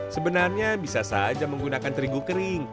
sebenarnya bisa saja menggunakan terigu kering